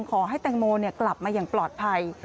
ขอให้แตงโมกลับมาอย่างปลอดภัย